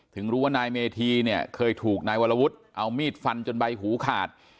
ถึงรู้ว่านายเมธีเนี่ยเคยถูกนายวรวุฒิเอามีดฟันจนใบหูขาด